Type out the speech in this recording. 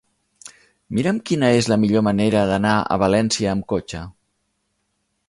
Mira'm quina és la millor manera d'anar a València amb cotxe.